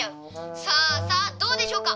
さあさあどうでしょうか？